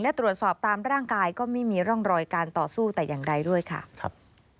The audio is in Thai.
และตรวจสอบตามร่างกายก็ไม่มีร่องรอยการต่อสู้แต่อย่างใดด้วยค่ะครับ